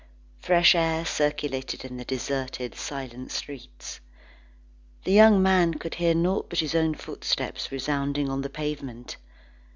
Fresh air circulated in the deserted, silent streets. The young man could hear naught but his own footsteps resounding on the pavement.